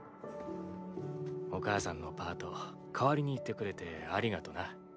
お母さんのパート代わりに行ってくれてありがとな。